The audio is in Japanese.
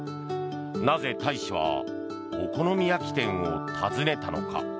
なぜ大使はお好み焼き店を訪ねたのか。